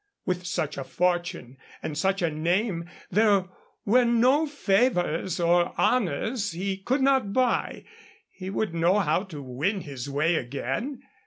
With such a fortune and such a name there were no favors or honors he could not buy. He would know how to win his way again.